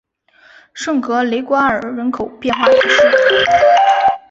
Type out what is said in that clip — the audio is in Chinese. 圣格雷瓜尔人口变化图示